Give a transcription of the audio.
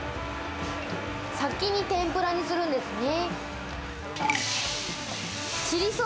先に天ぷらにするんですね。